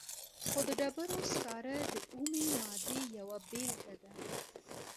خو د ډبرو سکاره د اومې مادې یوه بیلګه ده.